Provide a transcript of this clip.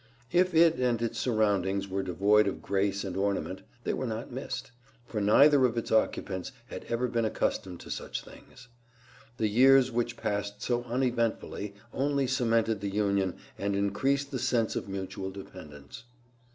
If it and its surroundings were devoid of grace and ornament, they were not missed, for neither of its occupants had ever been accustomed to such things. The years which passed so uneventfully only cemented the union and increased the sense of mutual dependence.